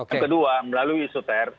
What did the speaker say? yang kedua melalui isoter